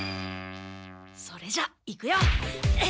それじゃあいくよ。